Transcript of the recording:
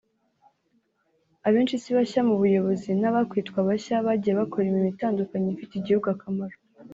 Abenshi si bashya mu buyobozi n’abakwitwa bashya bagiye bakora imirimo itandukanye ifitiye igihugu akamaro